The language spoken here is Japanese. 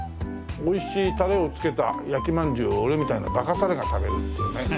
おいしいタレをつけた焼きまんじゅうを俺みたいなバカタレが食べるっていうね。